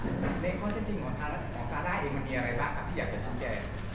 คุณแมนก็จริงของซาร่ามันมีอะไรบ้างที่อยากกะเชิญแก